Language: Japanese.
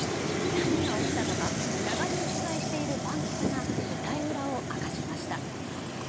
何が起きたのか長年取材している番記者が舞台裏を明かしました。